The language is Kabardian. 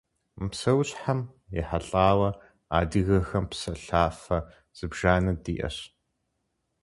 Мы псэущхьэм ехьэлӀауэ адыгэхэм псэлъафэ зыбжанэ диӀэщ.